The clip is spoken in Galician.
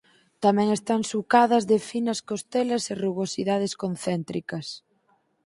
Tamén están sucadas de finas costelas e rugosidades concéntricas.